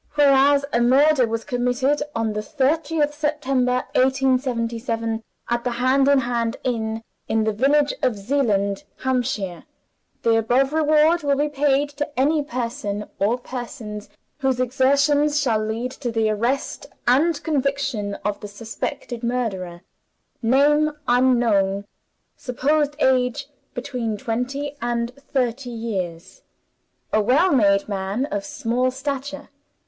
Whereas a murder was committed on the thirtieth September, 1877, at the Hand in Hand Inn, in the village of Zeeland, Hampshire, the above reward will be paid to any person or persons whose exertions shall lead to the arrest and conviction of the suspected murderer. Name not known. Supposed age, between twenty and thirty years. A well made man, of small stature.